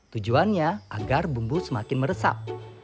tujuannya agar bumbu semakin meresap